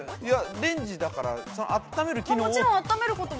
◆レンジだから、あっためる機能も。